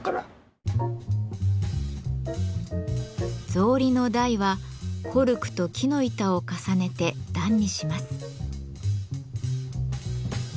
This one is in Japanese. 草履の台はコルクと木の板を重ねて段にします。